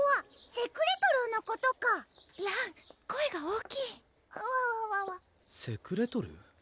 セクレトルーのことからん声が大きいはわわわセクレトルー？